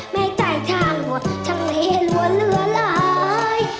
ไม่ได้ทางหวนทะเลหลวนเหลือลาย